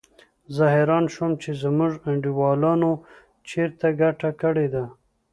زه حیران شوم چې زموږ انډیوالانو چېرته ګټه کړې ده.